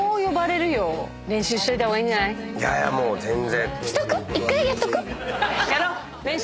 いやいやもう全然。